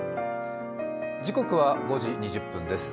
時刻は５時２０分です。